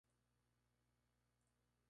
Fue objeto de peregrinación en estos lugares.